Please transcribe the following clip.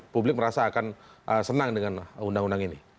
publik merasa akan senang dengan undang undang ini